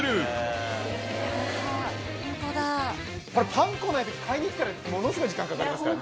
パン粉ない時買いに行ったらものすごい時間かかりますから。